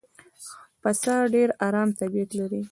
پسه ډېر آرام طبیعت لري.